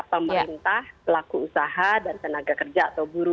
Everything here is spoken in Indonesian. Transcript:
pemerintah pelaku usaha dan tenaga kerja atau buruh